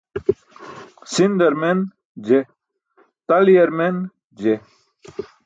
Sindar men? Je, taliyar men? Je.